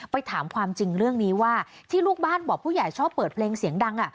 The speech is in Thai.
ถามความจริงเรื่องนี้ว่าที่ลูกบ้านบอกผู้ใหญ่ชอบเปิดเพลงเสียงดัง